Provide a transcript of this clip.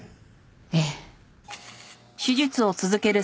ええ。